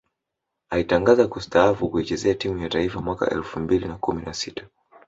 Alitangaza kustaafu kuichezea timu ya taifa mwaka elfu mbili na kumi na sita